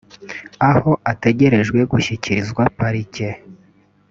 aho ategerejwe gushyikirizwa parike